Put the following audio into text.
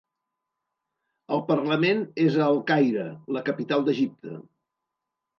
El Parlament és a El Caire, la capital d'Egipte.